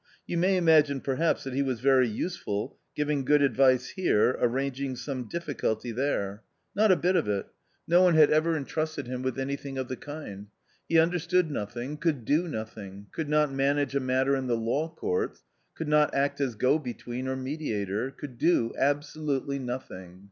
You may imagine perhaps that he was very useful, giving good advice here, arranging some difficulty there. Not a bit of it ! No one had ever A COMMON STORY 17 entrusted him with anything of the kind ; he understood nothing, could do nothing; could not manage a matter in the law courts, could not act as go between or mediator, could do absolutely nothing.